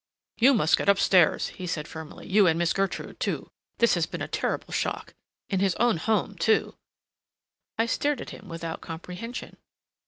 "You must get up stairs," he said firmly, "you and Miss Gertrude, too. This has been a terrible shock. In his own home, too." I stared at him without comprehension.